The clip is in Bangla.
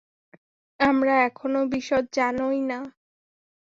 আমরা এখনও বিশদ জানই না।